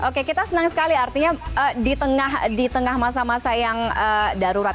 oke kita senang sekali artinya di tengah masa masa yang darurat